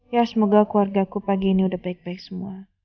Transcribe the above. ya semoga keluargaku pagi ini udah baik baik semua